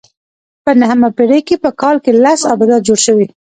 په نهمه پېړۍ کې په کال کې لس ابدات جوړ شوي.